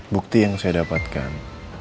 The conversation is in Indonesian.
bukti yang saya dapatkan